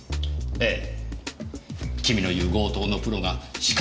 ええ。